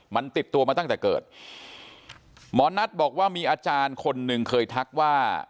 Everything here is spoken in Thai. มันติดตัวมาตั้งแต่เกิดหมอนัทบอกว่ามีอาจารย์คนหนึ่งเคยทักว่า